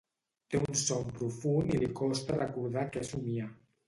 Té un son profund i li costa recordar què somia.